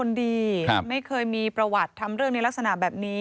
และก็จะรับความจริงของตัวเอง